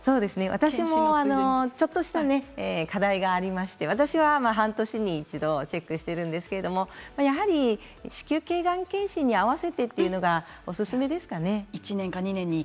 私もちょっとした課題がありまして半年に一度チェックしているんですが子宮けいがん検診に合わせてというのがおすすめですかね。